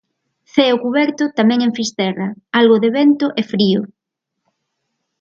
Ceo cuberto tamén en Fisterra, algo de vento e frío.